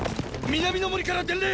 南の森から伝令！